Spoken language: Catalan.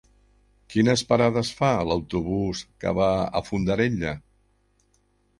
Quines parades fa l'autobús que va a Fondarella?